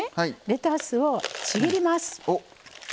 レタスをちぎります。